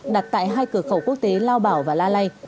đặt tại hai cửa khẩu quốc tế lao bảo và la lây